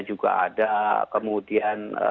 juga ada kemudian